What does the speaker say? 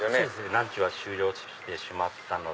ランチは終了してしまったので。